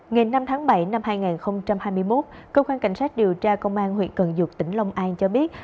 ngày năm tháng bảy năm hai nghìn hai mươi một cơ quan cảnh sát điều tra công an huyện cần duộc tỉnh long an cho biết